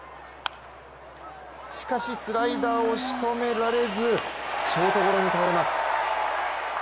しかし、スライダーをしとめられずショートゴロに倒れます。